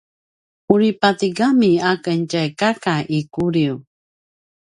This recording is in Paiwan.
uri patigami a ken tjay kaka i Kuliu